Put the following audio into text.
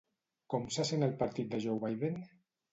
Com se sent el partit de Joe Biden?